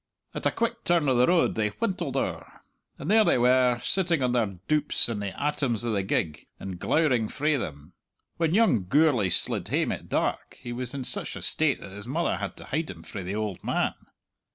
At a quick turn o' the road they wintled owre; and there they were, sitting on their doups in the atoms o' the gig, and glowering frae them! When young Gourlay slid hame at dark he was in such a state that his mother had to hide him frae the auld man.